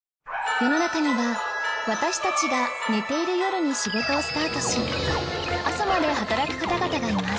世の中には私たちが寝ている夜に仕事をスタートし朝まで働く方々がいます